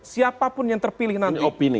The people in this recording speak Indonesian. siapapun yang terpilih nanti